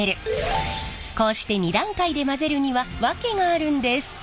こうして２段階で混ぜるには訳があるんです。